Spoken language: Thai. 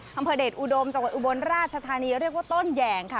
อำเภอเดชอุดมจังหวัดอุบลราชธานีเรียกว่าต้นแหย่งค่ะ